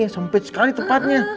sempit sekali tempatnya